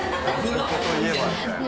ここといえばみたいな。